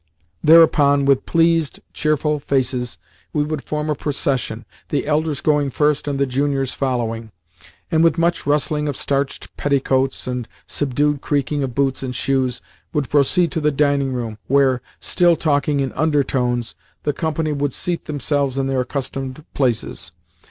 Thereupon, with pleased, cheerful faces, we would form a procession the elders going first and the juniors following, and, with much rustling of starched petticoats and subdued creaking of boots and shoes would proceed to the dining room, where, still talking in undertones, the company would seat themselves in their accustomed places.